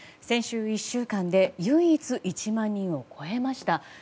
先週１週間で唯一１万人を超えました。